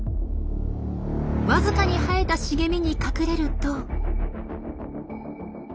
わずかに生えた茂みに隠れると。